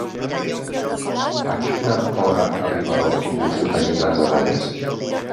A quina hora arriba l'autobús de Llinars del Vallès?